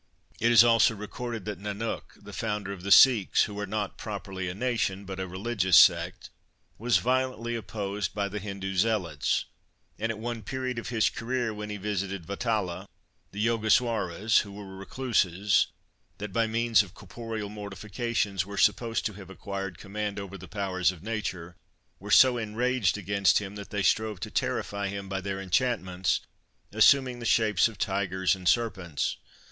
It is also recorded that Nanuk, the founder of the Sikhs—who are not properly a nation, but a religious sect—was violently opposed by the Hindoo zealots; and at one period of his career, when he visited Vatala, the Yogiswaras—who were recluses, that, by means of corporeal mortifications, were supposed to have acquired command over the powers of nature—were so enraged against him, that they strove to terrify him by their enchantments, assuming the shapes of tigers and serpents.